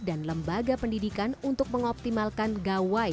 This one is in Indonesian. dan lembaga pendidikan untuk mengoptimalkan gawai